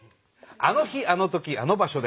あの日あの時あの場所で。